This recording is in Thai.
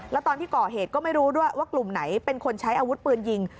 แล้วตอนที่ก่อเหตุก็ไม่รู้ด้วยว่ากลุ่มไหนเป็นคนใช้อาวุธปืนยิง